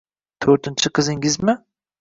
To`rtinchi qizingizmi